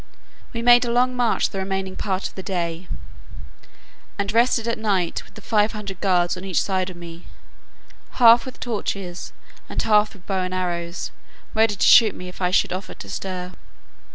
We made a long march the remaining part of the day, and, rested at night with five hundred guards on each side of me, half with torches, and half with bows and arrows, ready to shoot me if I should offer to stir.